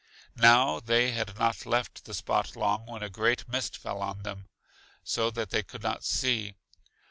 Now they had not left the spot long when a great mist fell on them, so that they could not see.